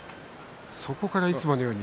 そこからいつものように